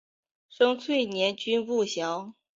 生卒年均不详。